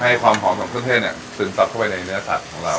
ให้ความหอมของเครื่องเทศเนี่ยซึมสับเข้าไปในเนื้อสัตว์ของเรา